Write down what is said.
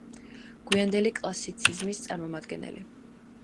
გვიანდელი კლასიციზმის წარმომადგენელი.